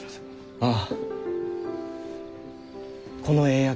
ああ